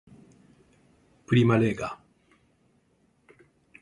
Prima Lega